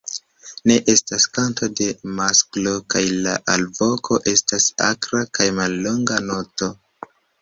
Ne estas kanto de masklo kaj la alvoko estas akra kaj mallonga noto.